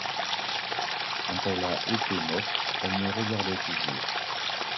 Quand elle a été morte, elle me regardait toujours.